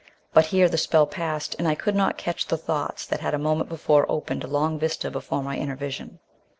But here the spell passed and I could not catch the thoughts that had a moment before opened a long vista before my inner vision.